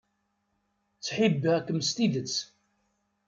Ttḥibbiɣ-kem s tidet.